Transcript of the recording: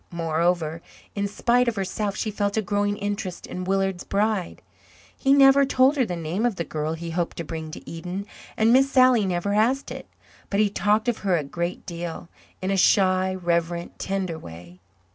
Moreover, in spite of herself, she felt a growing interest in Willard's bride. He never told her the name of the girl he hoped to bring to Eden, and Miss Sally never asked it. But he talked of her a great deal, in a shy, reverent, tender way.